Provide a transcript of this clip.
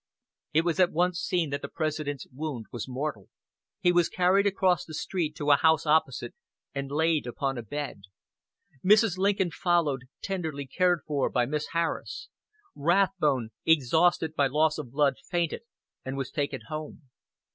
It was at once seen that the President's wound was mortal. He was carried across the street to a house opposite, and laid upon a bed. Mrs. Lincoln followed, tenderly cared for by Miss Harris. Rathbone, exhausted by loss of blood, fainted, and was taken home.